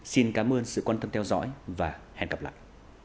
xin cảm ơn sự quan tâm theo dõi và hẹn gặp lại